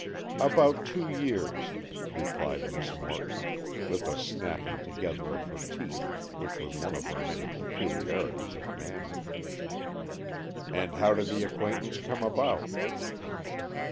"About two years," replied Miss Morton, with a snapping together of her teeth, which was one of her many peculiarities of manner. "And how did the acquaintance come about?"